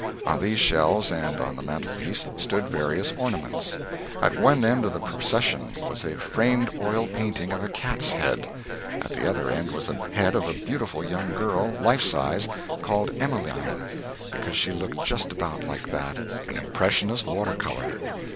On these shelves, and on the mantelpiece, stood various ornaments. At one end of the procession was a framed oil painting of a cat's head, at the other end was a head of a beautiful young girl, life size called Emmeline, because she looked just about like that an impressionist water color.